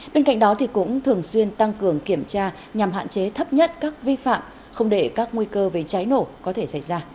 bên cạnh đó cũng thường xuyên tăng cường kiểm tra nhằm hạn chế thấp nhất các vi phạm không để các nguy cơ về cháy nổ có thể xảy ra